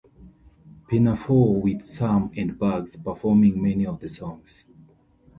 Pinafore with Sam and Bugs performing many of the songs.